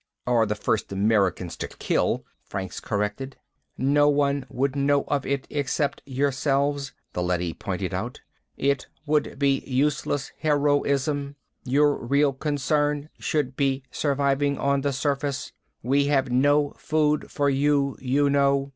"Or the first Americans to kill," Franks corrected. "No one would know of it except yourselves," the leady pointed out. "It would be useless heroism. Your real concern should be surviving on the surface. We have no food for you, you know."